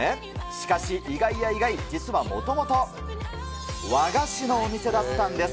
しかし、意外や意外、実はもともと、和菓子のお店だったんです。